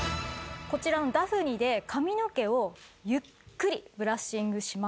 こちらのダフニで髪の毛をゆっくりブラッシングします。